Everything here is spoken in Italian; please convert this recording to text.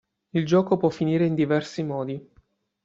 Il gioco può finire in diversi modi.